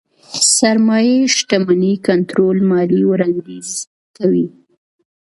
سرمايې شتمنۍ کنټرول ماليې وړانديز کوي.